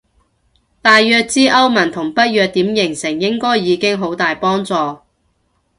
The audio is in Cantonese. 大概知歐盟同北約點形成應該已經好大幫助